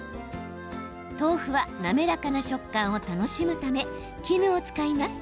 豆腐は滑らかな食感を楽しむため絹を使います。